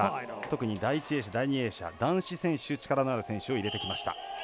特に第１泳者、第２泳者男子選手、力のある選手を入れてきました。